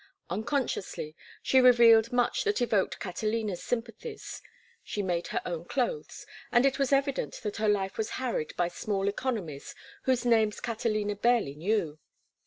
Unconsciously she revealed much that evoked Catalina's sympathies. She made her own clothes, and it was evident that her life was harried by small economies whose names Catalina barely knew.